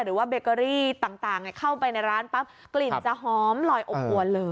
เบเกอรี่ต่างเข้าไปในร้านปั๊บกลิ่นจะหอมลอยอบอวนเลย